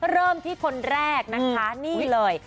เริ่มที่คนแรกนะคะนี่เลย